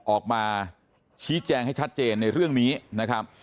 ออกมาชี้แจงให้ชัดเจนในเรื่องนี้นะครับ